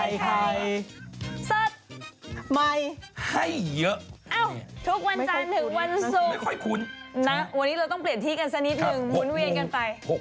วันนี้เราต้องเปลี่ยนที่กันสักนิดหนึ่งหมุนเวียนกันไป